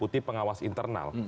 untuk pengawasan internal